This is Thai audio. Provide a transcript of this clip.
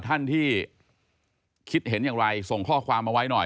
ท่านที่คิดเห็นอย่างไรส่งข้อความมาไว้หน่อย